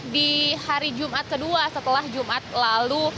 di hari jumat kedua setelah jumat lalu